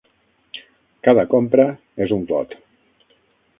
Cada compra és un vot.